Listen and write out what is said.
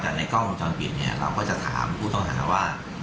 แต่ในกล้องวงจรปิดเนี่ยเราก็จะถามผู้ต้องหาว่า